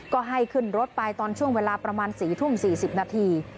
ก็ให้ขึ้นรถไปตอนช่วงเวลาประมาณ๔ทุ่ม๔๐นาที